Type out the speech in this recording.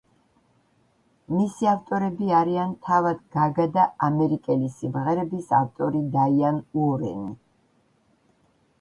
მისი ავტორები არიან თავად გაგა და ამერიკელი სიმღერების ავტორი დაიან უორენი.